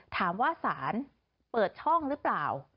ถามว่าสารเปิดช่องหรือเปล่า